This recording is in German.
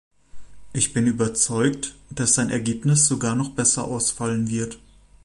Ich bin überzeugt, dass sein Ergebnis sogar noch besser ausfallen wird.